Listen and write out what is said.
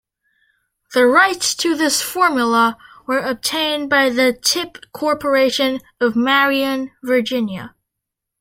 The rights to this formula were obtained by the Tip Corporation of Marion, Virginia.